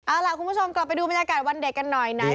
เอาล่ะคุณผู้ชมกลับไปดูบรรยากาศวันเด็กกันหน่อยไหน